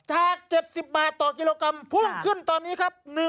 ๗๐บาทต่อกิโลกรัมพุ่งขึ้นตอนนี้ครับ